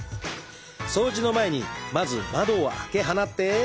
掃除の前にまず窓を開け放って。